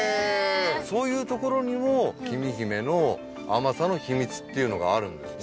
そういうところにもきみひめの甘さの秘密というのがあるんですね。